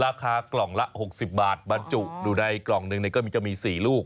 ราคากล่องละ๖๐บาทบรรจุอยู่ในกล่องหนึ่งก็จะมี๔ลูก